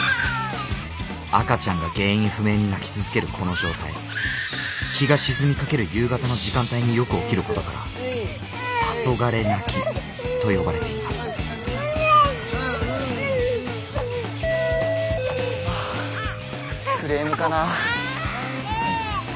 赤ちゃんが原因不明に泣き続けるこの状態日が沈みかける夕方の時間帯によく起きることから「黄昏泣き」と呼ばれていますああクレームかな。